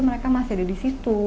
mereka masih ada di situ